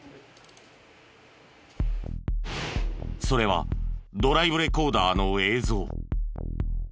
それはドライブレコーダーの映像。